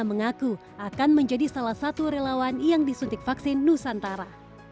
mengaku akan menjadi salah satu relawan yang disuntik vaksin nusantara